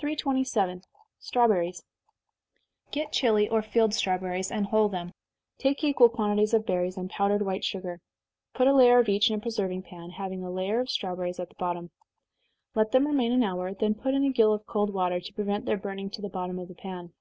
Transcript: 327. Strawberries. Procure Chili or field strawberries, and hull them. Take equal quantities of berries, and powdered white sugar put a layer of each in a preserving pan, having a layer of strawberries at the bottom. Let them remain an hour, then put in a gill of cold water, to prevent their burning to the bottom of the pan.